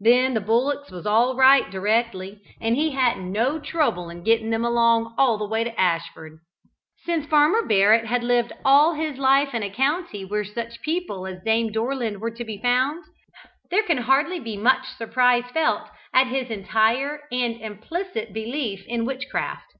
Then the bullocks was all right directly, and he hadn't no trouble in getting them along all the way to Ashford." Since Farmer Barrett had lived all his life in a county where such people as Dame Dorland were to be found, there can hardly be much surprise felt at his entire and implicit belief in witchcraft.